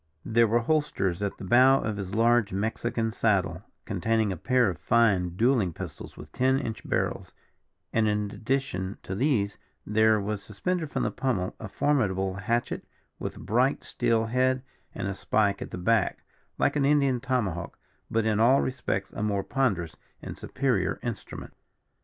There were holsters at the bow of his large Mexican saddle, containing a pair of fine duelling pistols with ten inch barrels; and in addition to these, there was suspended from the pummel a formidable hatchet with a bright steel head and a spike at the back, like an Indian tomahawk, but in all respects a more ponderous and superior instrument.